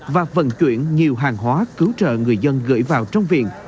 và vận chuyển nhiều hàng hóa cứu trợ người dân gửi vào trong viện